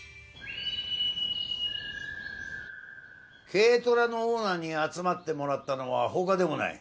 軽トラのオーナーに集まってもらったのは他でもない。